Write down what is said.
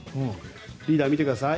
リーダー、見てください。